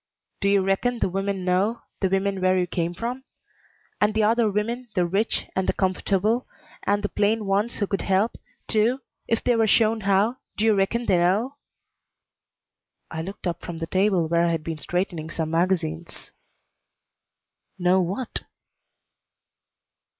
"Do you reckon the women know, the women where you come from? And the other women, the rich, and the comfortable, and the plain ones who could help, too, if they were shown how do you reckon they know?" I looked up from the table where I had been straightening some magazines. "Know what?"